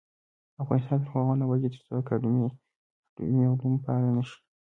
افغانستان تر هغو نه ابادیږي، ترڅو اکاډمي علوم فعاله نشي.